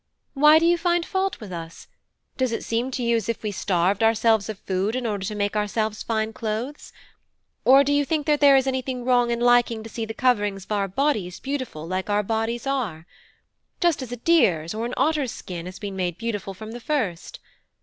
Why do you find fault with us? Does it seem to you as if we starved ourselves of food in order to make ourselves fine clothes? Or do you think there is anything wrong in liking to see the coverings of our bodies beautiful like our bodies are? just as a deer's or an otter's skin has been made beautiful from the first?